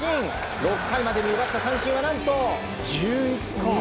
６回までに奪った三振は何と１１個！